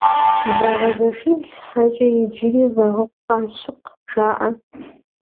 Вагъуэзэшибл щхьэкӀэ иджыри Вагъуэкъащыкъ жаӀэ.